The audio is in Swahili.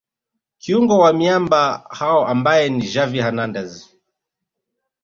kiungo wa miamba hao ambaye ni Xavi Hernandez